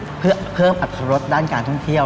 ครั้งหลังวิทเพื่ออัตภัยรถด้านการท่องเที่ยว